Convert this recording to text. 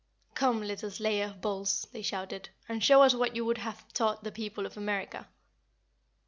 "Come, little slayer of bulls," they shouted, "and show us what you would have taught the people of America."